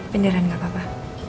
beneran gak apa apa